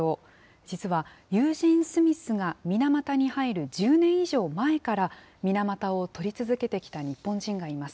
実は、ユージン・スミスが水俣に入る１０年以上前から、水俣を撮り続けてきた日本人がいます。